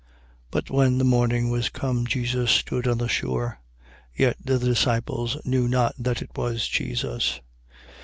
21:4. But when the morning was come, Jesus stood on the shore: yet the disciples knew not that it was Jesus.